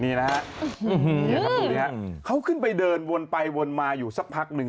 นี่นะฮะเค้าขึ้นไปเดินวนไปวนมาอยู่สักพักหนึ่ง